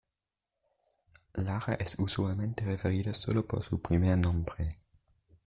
Lara es usualmente referida sólo por su primer nombre.